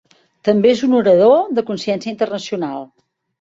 També és un orador de consciència internacional.